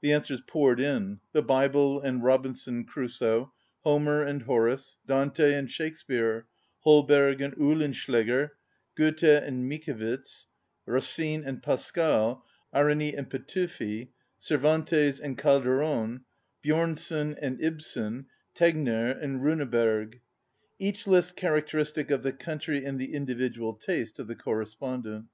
The answers poured in: the Bible and "Robinson Crusoe," Homer and Horace, Dante and Shakespeare, Holberg and Oehlenschl├żger, Goethe and Mickiewitz, Racine and Pas cal, Arany and Pet├Čfi, Cervantes and Calderon, Bj├Čmson and Ibsen, Tegner and Rimeberg, ŌĆö each list characteristic of the coimtry and the individual taste of the correspondent.